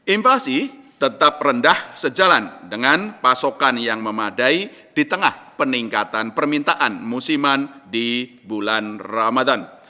invasi tetap rendah sejalan dengan pasokan yang memadai di tengah peningkatan permintaan musiman di bulan ramadan